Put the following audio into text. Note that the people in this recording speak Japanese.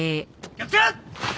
気をつけ！